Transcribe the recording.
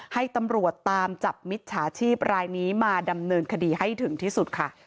ให้ตำรวจตามจับมิจฉาชีพรายนี้มาดำเนินคดีให้ถึงที่สุดค่ะ